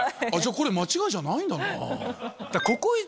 これ間違いじゃないんだなぁ。